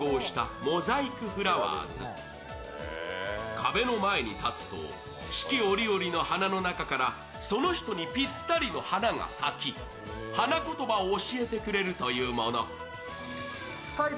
壁の前に立つと、四季折々の花の中からその人にぴったりの花が咲き、花言葉を教えてくれるというもの。